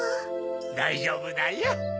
だいじょうぶだよ。